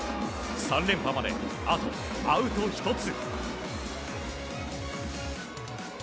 ３連覇まで、あとアウト１つ。